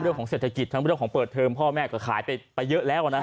ทั้งหมดเรื่องของเปิดเทิมพ่อแม่ก็ขายไปเยอะแล้วนะฮะ